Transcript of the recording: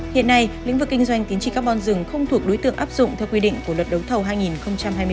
hiện nay lĩnh vực kinh doanh tính trị carbon rừng không thuộc đối tượng áp dụng theo quy định của luật đấu thầu hai nghìn hai mươi ba